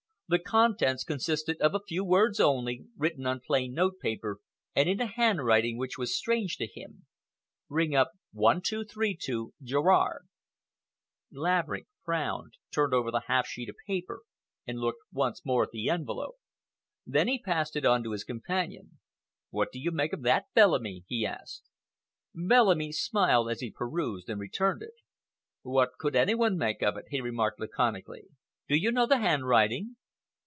The contents consisted of a few words only, written on plain note paper and in a handwriting which was strange to him. "Ring up 1232 Gerrard." Laverick frowned, turned over the half sheet of paper and looked once more at the envelope. Then he passed it on to his companion. "What do you make of that, Bellamy?" he asked. Bellamy smiled as he perused and returned it. "What could any one make of it?" he remarked, laconically. "Do you know the handwriting?"